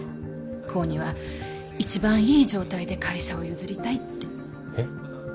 功には一番いい状態で会社を譲りたいってえっ？